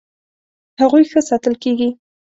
هغوی ښه ساتل کیږي.